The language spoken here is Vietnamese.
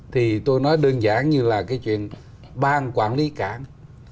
thì tôi nói đơn giản như là cái chuyện bang quản lý cảng